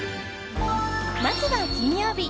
まずは金曜日。